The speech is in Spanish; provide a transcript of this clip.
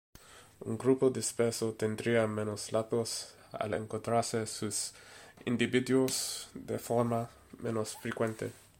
Un grupo disperso tendría menos lazos, al encontrarse sus individuos de forma menos frecuente.